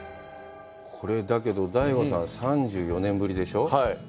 これ、だけど、ＤＡＩＧＯさん、３４年ぶりでしょう？